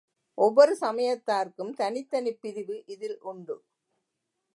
ஒவ்வொரு சமயத்தார்க்கும் தனித் தனிப் பிரிவு இதில் உண்டு.